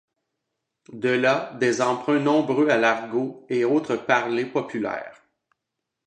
De là, des emprunts nombreux à l'argot et autres parlers populaires.